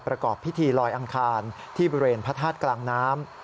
ประกอบพิธีลอยอังคารที่บริเวณพระธาตุกลางน้ำ